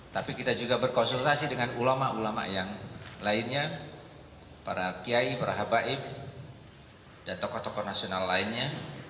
tapi kita juga berkonsultasi dengan ulama ulama yang lainnya para kiai berhabaib dan tokoh tokoh nasional lainnya